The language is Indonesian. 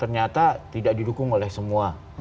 ternyata tidak didukung oleh semua